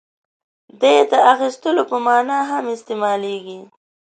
• دې د اخیستلو په معنیٰ هم استعمالېږي.